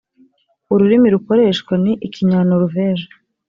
Ururimi rukoreshwa ni ikinyanoruveje